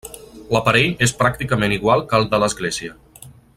L'aparell és pràcticament igual que el de l'església.